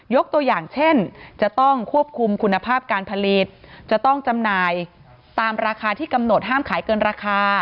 ตัวอย่างเช่นจะต้องควบคุมคุณภาพการผลิตจะต้องจำหน่ายตามราคาที่กำหนดห้ามขายเกินราคา